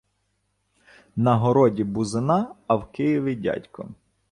На городі бузина, а в Києві дядько.